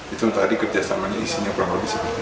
itu tadi kerjasamanya isinya kurang lebih